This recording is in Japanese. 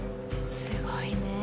すごいね。